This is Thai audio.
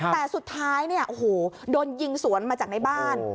แต่สุดท้ายโหโดนยิงสวนมาจากในบ้าน